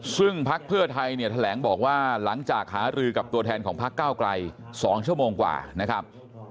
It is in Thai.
ซึ่งพักเพื่อไทยเนี่ยแถลงบอกว่าหลังจากหารือกับตัวแทนของพักเก้าไกล๒ชั่วโมงกว่านะครับ